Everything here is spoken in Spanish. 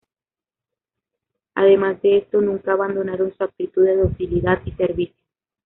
Además de esto, nunca abandonaron su actitud de docilidad y servicio.